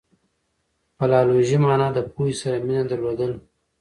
فلالوژي مانا د پوهي سره مینه درلودل دي.